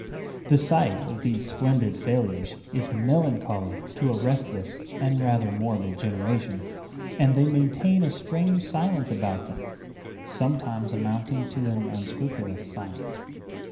The sight of these splendid failures is melancholy to a restless and rather morbid generation; and they maintain a strange silence about them sometimes amounting to an unscrupulous silence.